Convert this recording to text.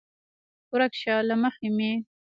ورک شه له مخې مې!